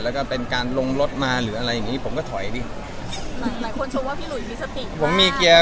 แล้วก็เป็นการลงรถมาหรืออะไรอย่างเงี้ย